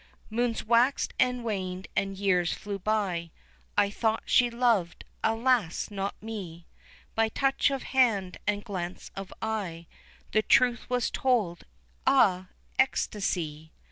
Moons waxed and waned and years flew by, I thought she loved, alas! not me; By touch of hand and glance of eye The truth was told ah! ecstasy!